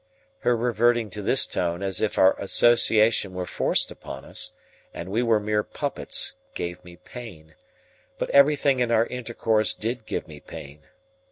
Her reverting to this tone as if our association were forced upon us, and we were mere puppets, gave me pain; but everything in our intercourse did give me pain.